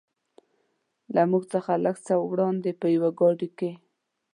له موږ څخه لږ څه وړاندې په یوې ګاډۍ کې.